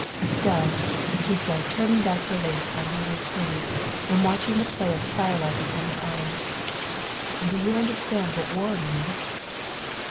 " Estelle," he said, turning back the lace of her loose sleeve and watching the play of the firelight upon her arm, " do you understand what war means?"